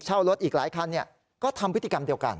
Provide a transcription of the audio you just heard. รถอีกหลายคันก็ทำพฤติกรรมเดียวกัน